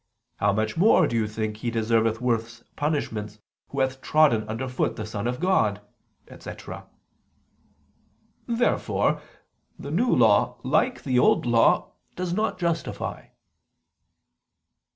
How much more, do you think, he deserveth worse punishments, who hath trodden underfoot the Son of God," etc.? Therefore the New Law, like the Old Law, does not justify.